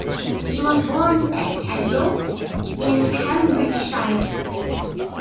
He was born at Tadlow, in Cambridgeshire.